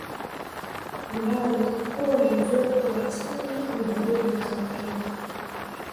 Ambayo huwa na joto la wastani na baridi la kawaida